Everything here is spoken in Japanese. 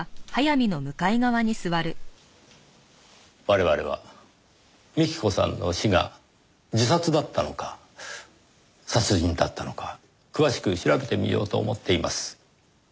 我々は幹子さんの死が自殺だったのか殺人だったのか詳しく調べてみようと思っています。